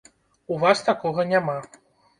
У вас такога няма.